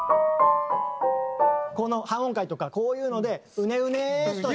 この半音階とかこういうのでうねうねっとして。